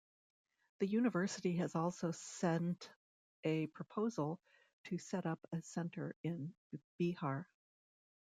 The University has also sent a proposal to set up a Center in Bihar.